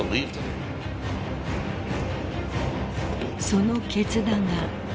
［その決断が］